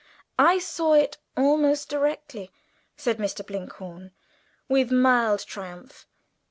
"I saw it almost directly," said Mr. Blinkhorn, with mild triumph.